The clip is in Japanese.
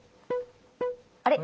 あれ？